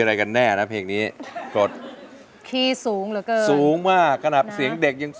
แต่แล้วนักใจแฟนพี่ก็มีให้เพียงครึ่งทางดี